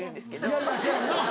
いやいやそうやよな。